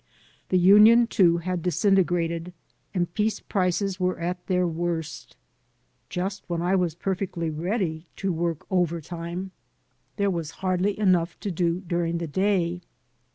The union, too, had disintegrated, and piece prices were at their worst. Just when I was perfectly ready to work 188 OFF TO COLLEGE overtime there was hardly enough to do during the day.